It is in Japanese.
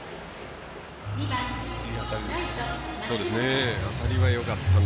いい当たりでしたね。